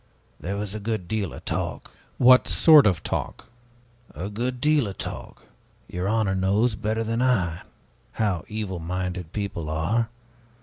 There was a good deal of talk." "What sort of talk?" "A good deal of talk. Your honor knows, better than I, how evil minded people are.